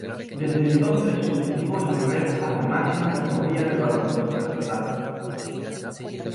Desde entonces su objetivo es volver a la máxima categoría del baloncesto estatal.